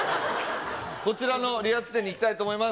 こちらの理髪店に行きたいと思います。